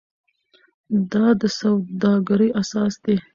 دا د سوداګرۍ اساس دی.